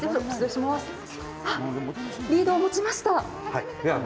リードを持ちました。